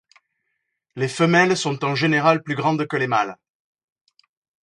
Les femelles sont en général plus grandes que les mâles.